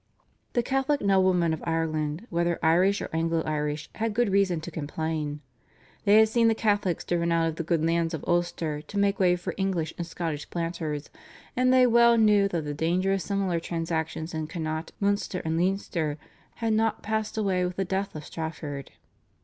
The Catholic noblemen of Ireland, whether Irish or Anglo Irish, had good reason to complain. They had seen the Catholics driven out of the good lands of Ulster to make way for English and Scottish planters, and they well knew that the danger of similar transactions in Connaught, Munster, and Leinster had not passed away with the death of Strafford.